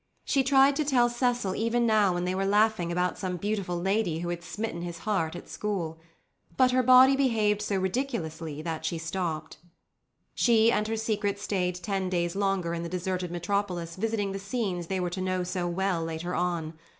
She tried to tell Cecil even now when they were laughing about some beautiful lady who had smitten his heart at school. But her body behaved so ridiculously that she stopped. She and her secret stayed ten days longer in the deserted Metropolis visiting the scenes they were to know so well later on.